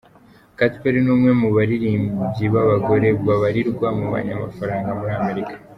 Katy Perry ni umwe mu baririmbyi b’abagore babarirwa mu banyamafaranga muri Amerika.